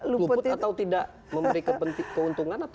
luput atau tidak memberikan keuntungan atau